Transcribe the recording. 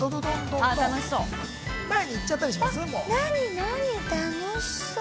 何何楽しそう。